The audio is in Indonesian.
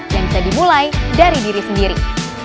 yang bisa dimulai dari diri sendiri